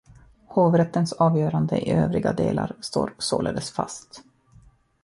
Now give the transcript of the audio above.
Hovrättens avgörande i övriga delar står således fast.